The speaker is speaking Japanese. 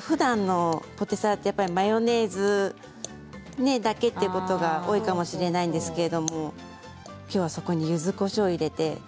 ふだんのポテサラってマヨネーズだけということが多いかもしれないんですけどきょうは、そこにゆずこしょうを入れて。